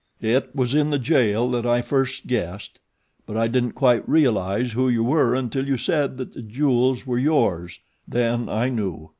"It was in the jail that I first guessed; but I didn't quite realize who you were until you said that the jewels were yours then I knew.